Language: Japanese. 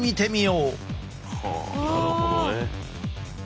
はあなるほどね。